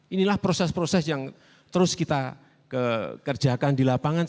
inilah proses proses yang terus kita kerjakan di lapangan